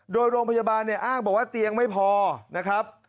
โดยโรงพยาบาลเนี่ยอ้างบอกว่าเตียงไม่พอนะครับ